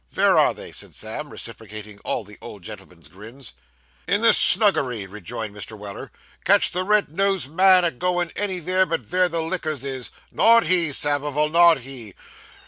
'Vere are they?' said Sam, reciprocating all the old gentleman's grins. 'In the snuggery,' rejoined Mr. Weller. 'Catch the red nosed man a goin' anyvere but vere the liquors is; not he, Samivel, not he.